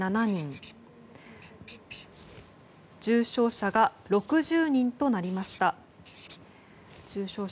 重症者が６０人となりました。